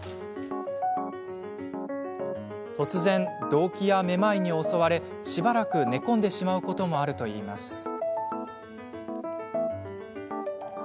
突然どうきや、めまいに襲われしばらく寝込んでしまうこともあるといいます。